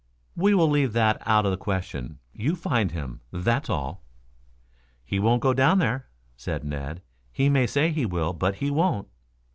"We will leave that out of the question. You find him, that's all." "He won't go down there," said Ned. "He may say he will, but he won't."